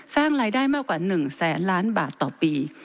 สร้างรายได้มากกว่า๑แสนล้านบาทต่อปี